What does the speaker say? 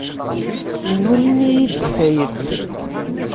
Nnulen-iyi-d deg tayet.